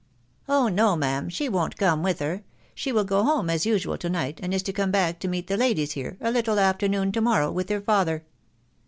" Oh no, ma'am ! she won't come with her. ..• She wiD go home, as usual, to night, and is to come back to meet the ladies here, a little after noon, to morrow, with her father."